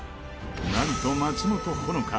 なんと、松本穂香